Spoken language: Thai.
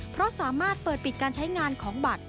เพราะสามารถเปิดปิดการใช้งานของบัตร